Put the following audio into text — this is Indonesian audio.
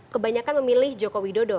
kebanyakan memilih joko widodo